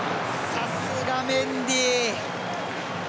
さすが、メンディ。